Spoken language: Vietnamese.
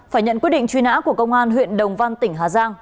phải nhận quyết định truy nã của công an huyện đồng văn tỉnh hà giang